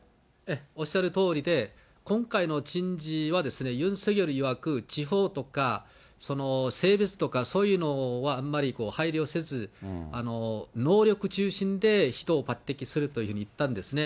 おっしゃるとおりで、今回の人事はユン・ソギョルいわく、地方とかその性別とか、そういうのをあんまり配慮せず、能力中心で、人を抜てきするというふうに言ったんですね。